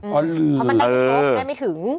เพราะมันได้ไม่ถึง